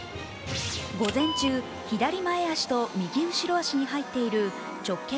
午前中、左前脚と右後ろ脚に入っている直径